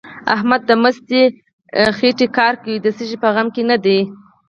احمد د مستې خېټې کار کوي؛ د څه شي په غم کې نه دی.